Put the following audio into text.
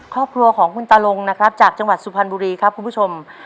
ครอบครัวของคุณตาลงนะครับจากจังหวัดสุพรรณบุรีครับคุณผู้ชม